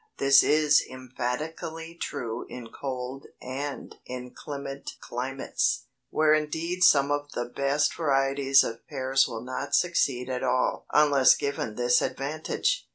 This is emphatically true in cold and inclement climates, where indeed some of the best varieties of pears will not succeed at all unless given this advantage.